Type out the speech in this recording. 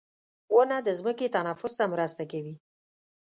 • ونه د ځمکې تنفس ته مرسته کوي.